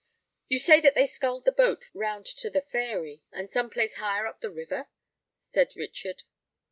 "You say that they sculled the boat round to the Fairy, from some place higher up the river?" said Richard.